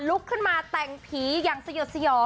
ลุกขึ้นมาแต่งผีอย่างสยดสยอง